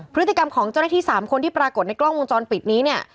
พฤติกรรมของเจ้าหน้าที่๓คนที่ปรากฏในกล้องวงจรปิดนี้เนี่ย